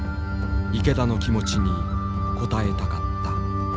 池田の気持ちに応えたかった。